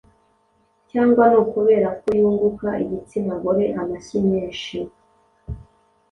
cyangwa ni ukubera ko yunguka igitsina gore amashyi menshi.